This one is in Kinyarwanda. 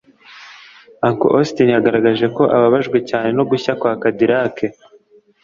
Uncle Austin yagaragaje ko ababajwe cyane no gushya kwa Cadillac